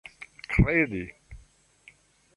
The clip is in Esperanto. kredi